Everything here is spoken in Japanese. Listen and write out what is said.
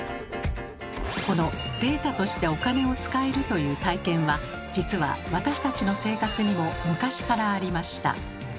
この「データとしてお金を使える」という体験は実は私たちの生活にも昔からありました。